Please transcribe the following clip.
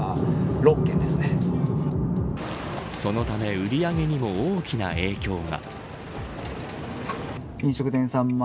そのため売り上げにも大きな影響が。